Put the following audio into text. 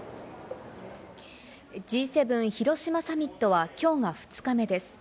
Ｇ７広島サミットはきょうが２日目です。